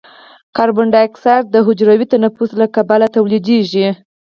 کاربن ډای اکساید د حجروي تنفس له کبله تولیدیږي.